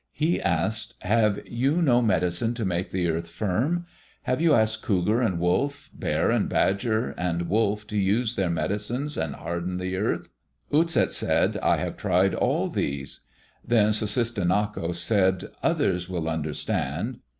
He asked, "Have you no medicine to make the earth firm? Have you asked Cougar and Wolf, Bear and Badger and Wolf to use their medicines to harden the earth?" Utset said, "I have tried all these." Then Sussistinnako said, "Others will understand."